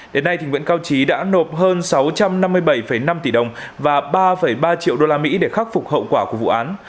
đến nay nguyễn cao trí đã nộp hơn sáu trăm năm mươi bảy năm tỷ đồng và ba ba triệu usd để khắc phục hậu quả của vụ án